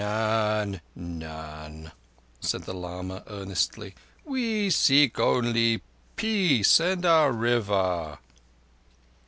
"None—none." said the lama earnestly. "We seek only peace and our River."